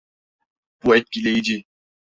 Bu etkileyici.